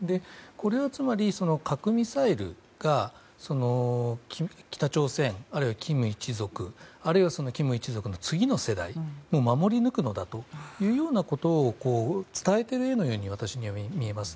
これはつまり核ミサイルが北朝鮮、あるいはキム一族あるいはキム一族の次の世代を守り抜くのだというようなことを伝えているように私には見えます。